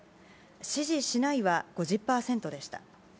支持しないは５０％でした。